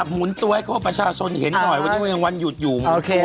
หมุนตัวให้เขาประชาชนเห็นหน่อยวันนี้มันยังวันหยุดอยู่